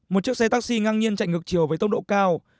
một chiếc xe taxi ngang nhiên chạy ngược chiều với tốc độ cao